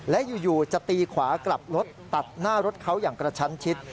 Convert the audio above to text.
และอยู่จะตีขวากลับรถตัดหน้ารถเขาอย่างกระชั้นชิด